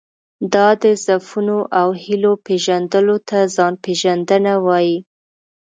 دا د ضعفونو او هیلو پېژندلو ته ځان پېژندنه وایي.